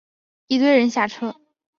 一堆人下车